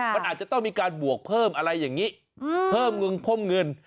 มันอาจจะต้องมีการบวกเพิ่มอะไรอย่างนี้เพิ่มเงินเพิ่มเงิน